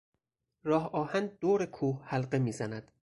راه آهن دور کوه حلقه میزند.